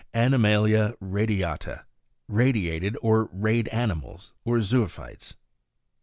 4th. Animalia radiata radiated or rayed animals or zoophytes.